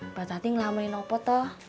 mbak tati ngelamarin apa tau